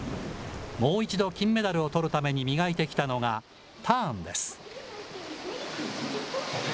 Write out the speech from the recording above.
もう一度金メダルをとるために磨いてきたのが、ターンです。